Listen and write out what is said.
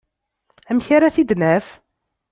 Amek ara t-id-naf?